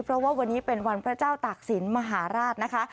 เพราะว่าวันนี้เป็นวันพระเจ้าตากศิลปมหาราชนะคะ